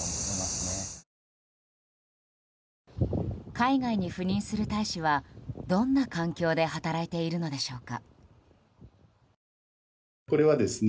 海外に赴任する大使はどんな環境で働いているのでしょうか。